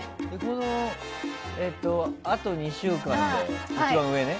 あと２週間で一番上ね。